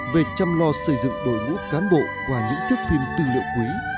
về chăm lo xây dựng đội ngũ cán bộ qua những tiếp phim tư liệu quý